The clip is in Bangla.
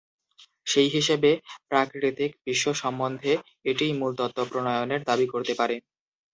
সেই হিসেবে প্রাকৃতিক বিশ্ব সম্বন্ধে এটিই মূল তত্ত্ব প্রণয়নের দাবী করতে পারে।